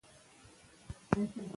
د موقف ټینګول د احترام جلبولو وسیله ده.